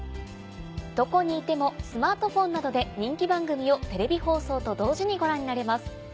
どこにいてもスマートフォンなどで人気番組をテレビ放送と同時にご覧になれます。